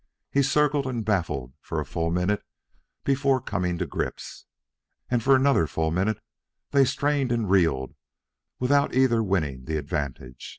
He circled and baffled for a full minute before coming to grips; and for another full minute they strained and reeled without either winning the advantage.